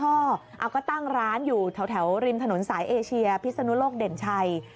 เอาก็ตั้งร้านอยู่แถวริมถนนสายเอเชียพิศนุโลกเด่นชัย